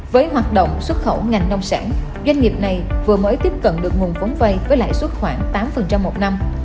với hoạt động xuất khẩu ngành nông sản doanh nghiệp này vừa mới tiếp cận được nguồn vốn vay với lãi suất khoảng tám một năm